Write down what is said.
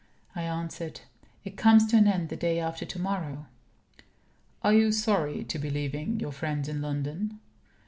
I answered: "It comes to an end the day after to morrow." "Are you sorry to be leaving your friends in London?"